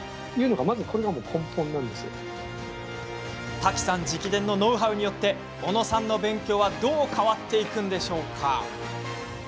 瀧さん直伝のノウハウによって小野さんの勉強はどう変わっていくのでしょうか。